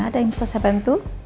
ada yang bisa saya bantu